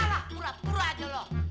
alah pura pura aja lo